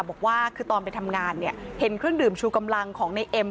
บอกว่าคือตอนไปทำงานเนี่ยเห็นเครื่องดื่มชูกำลังของในเอ็ม